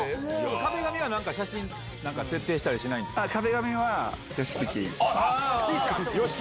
壁紙はなんか写真、設定したりなんかしないんですか。